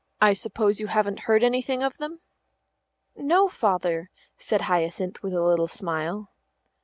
I suppose you haven't heard anything of them?" "No, Father," said Hyacinth, with a little smile.